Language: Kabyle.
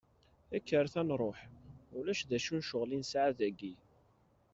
Kkret ad nruḥ, ulac d acu n ccɣel i nesɛa dagi.